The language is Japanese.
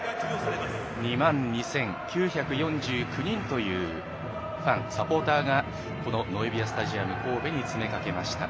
２万２９４９人というファンサポーターがこのノエビアスタジアム神戸に詰め掛けました。